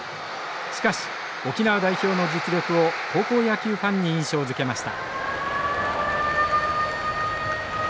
しかし沖縄代表の実力を高校野球ファンに印象づけました。